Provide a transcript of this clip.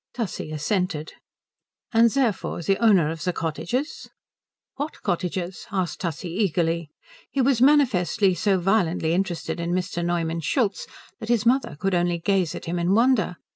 Tussie assented. "And therefore the owner of the cottages?" "What cottages?" asked Tussie, eagerly. He was manifestly so violently interested in Mr. Neumann Schultz that his mother could only gaze at him in wonder.